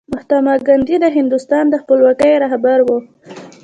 مهاتما ګاندي د هندوستان د خپلواکۍ رهبر و.